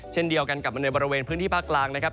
เช่นเดียวกันกับในบริเวณพื้นที่ภาคกลางนะครับ